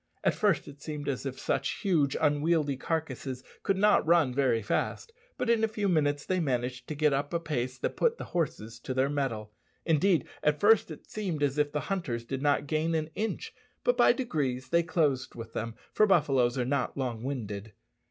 At first it seemed as if such huge, unwieldy carcasses could not run very fast; but in a few minutes they managed to get up a pace that put the horses to their mettle. Indeed, at first it seemed as if the hunters did not gain an inch; but by degrees they closed with them, for buffaloes are not long winded.